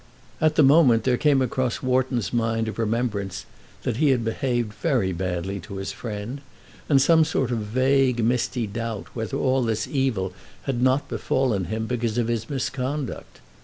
At the moment there came across Wharton's mind a remembrance that he had behaved very badly to his friend, and some sort of vague misty doubt whether all this evil had not befallen him because of his misconduct.